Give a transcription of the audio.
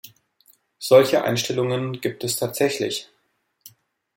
Solche Einstellungen gibt es tatsächlich.